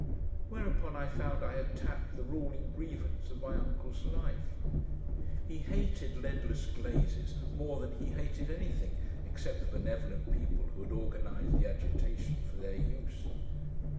Whereupon I found I had tapped the ruling grievance of my uncle's life. He hated leadless glazes more than he hated anything, except the benevolent people who had organised the agitation for their use.